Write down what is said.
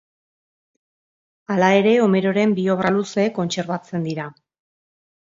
Hala ere, Homeroren bi obra luze kontserbatzen dira.